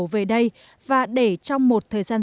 về đây và để trong một thời gian